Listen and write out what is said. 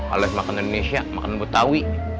oleh makanan indonesia makanan betawi